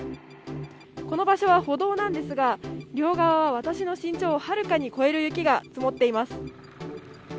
この場所は歩道なんですが、両側は私の身長をはるかに超える雪が積もっています。